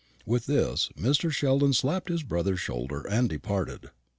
With this Mr. Sheldon slapped his brother's shoulder and departed.